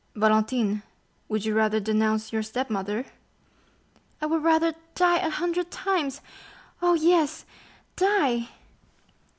"Valentine, would you rather denounce your stepmother?" "I would rather die a hundred times—oh, yes, die!"